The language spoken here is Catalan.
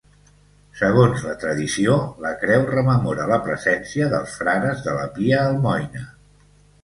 Segons la tradició, la creu rememora la presència dels frares de la Pia Almoina.